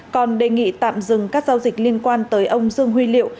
còn đề nghị tạm dừng các giao dịch liên quan tới ông dương huy liệu